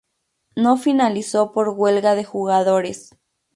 No finalizó por huelga de jugadores.